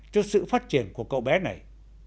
cho sự phát triển của cậu bé này